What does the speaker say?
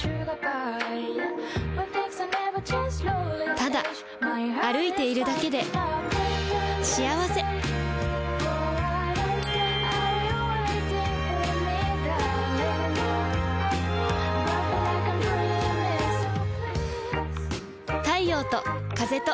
ただ歩いているだけで幸せ太陽と風と